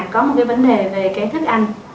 có một cái vấn đề về cái thức ăn